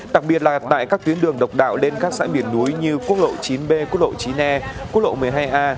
đặc biệt là tại các tuyến đường độc đạo lên các xã miền núi như quốc lộ chín b quốc lộ chín e quốc lộ một mươi hai a